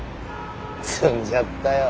詰んじゃったよ。